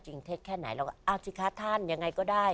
เท็จแค่ไหนเราก็เอาสิคะท่านยังไงก็ได้